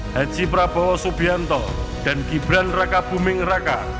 haji prabowo subianto dan gibran raka buming raka